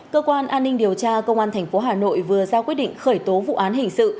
cơ quan an ninh điều tra công an tp hà nội vừa ra quyết định khởi tố vụ án hình sự